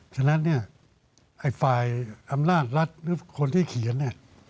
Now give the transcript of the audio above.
ฉะนั้นเนี่ยไอ้ฝ่ายอำนาจรัฐหรือคนที่เขียนเนี่ย